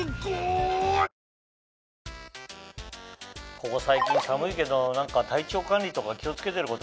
ここ最近寒いけど体調管理とか気を付けてることある？